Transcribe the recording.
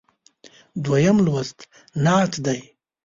دویم لوست نعت دی.